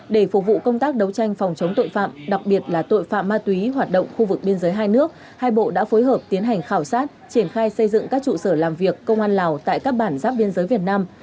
để phục vụ công tác đấu tranh phòng chống tội phạm đặc biệt là tội phạm ma túy hoạt động khu vực biên giới hai nước hai bộ đã phối hợp tiến hành khảo sát triển khai xây dựng các trụ sở làm việc công an lào tại các bản giáp biên giới việt nam